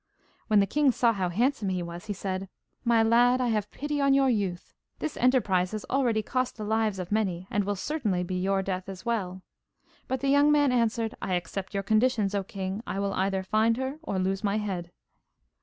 When the king saw how handsome he was, he said: 'My lad, I have pity on your youth. This enterprise has already cost the lives of many, and will certainly be your death as well.' But the young man answered, 'I accept your conditions, oh king; I will either find her or lose my head.